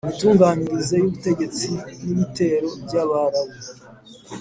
imitunganyirize y ubutegetsi n’ ibitero by abarabu